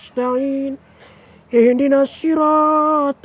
assalamualaikum warahmatullahi wabarakatuh